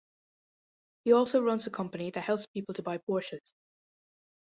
He also runs a company that helps people to buy Porsches.